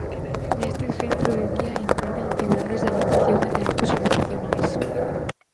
Neste centro de día imparten actividades de animación e terapias ocupacionais.